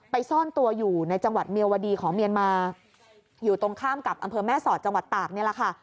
ซ่อนตัวอยู่ในจังหวัดเมียวดีของเมียนมาอยู่ตรงข้ามกับอำเภอแม่สอดจังหวัดตากนี่แหละค่ะ